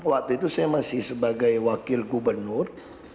waktu itu saya masih sebagai wakil gubernur